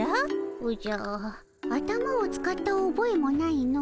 おじゃ頭を使ったおぼえもないの。